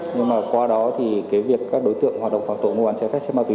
nhưng qua đó các đối tượng hoạt động phạm tội mua bàn che phép trên ma túy